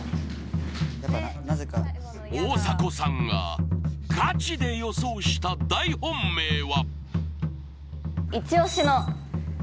大迫さんがガチで予想した大本命は？